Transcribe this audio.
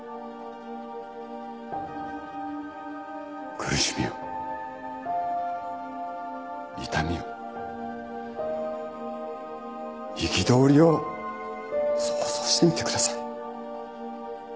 苦しみを痛みを憤りを想像してみてください。